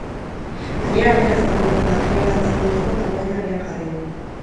Gainera, legez kanpoko materiala atzemateko kanpaina abian jarri du.